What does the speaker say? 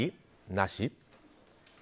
なし？